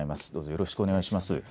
よろしくお願いします。